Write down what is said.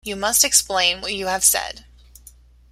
You must explain what you have said.